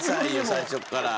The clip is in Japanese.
最初から。